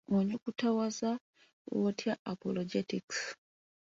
Onyukutawaza otya "apologetics"?